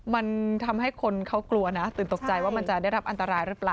มันทำให้คนเขากลัวนะตื่นตกใจว่ามันจะได้รับอันตรายหรือเปล่า